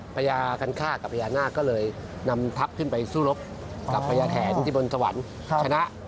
พญาคันฆ่ากับพญานาคก็เลยนำทัพขึ้นไปสู้รบกับพญาแถนที่บนสวรรค์ชนะ